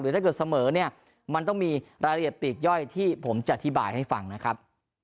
ถ้าเกิดเสมอเนี่ยมันต้องมีรายละเอียดปีกย่อยที่ผมจะอธิบายให้ฟังนะครับ